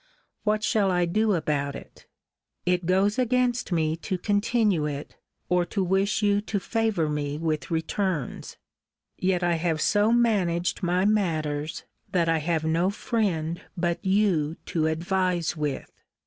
What shall I do about it? It goes against me to continue it, or to wish you to favour me with returns. Yet I have so managed my matters that I have no friend but you to advise with.